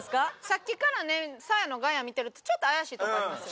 さっきからねサーヤのガヤ見てるとちょっと怪しいとこありますよね。